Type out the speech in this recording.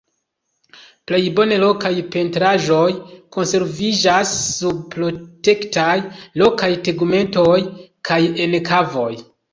Plej bone rokaj pentraĵoj konserviĝas sub protektaj rokaj tegmentoj kaj en kavoj.